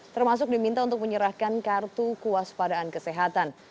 termasuk diminta untuk menyerahkan kartu kuas padaan kesehatan